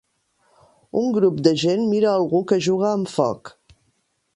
Un grup de gent mira algú que juga amb foc.